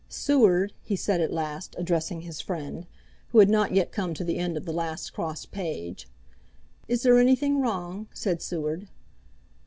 "Seward," he said at last, addressing his friend, who had not yet come to the end of the last crossed page. "Is there anything wrong?" said Seward.